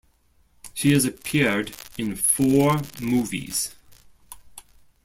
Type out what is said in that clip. She has appeared in four movies.